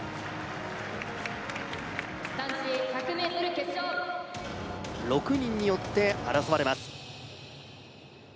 男子１００ｍ決勝６人によって争われます